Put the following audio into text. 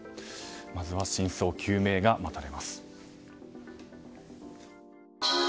まずは真相究明が願われます。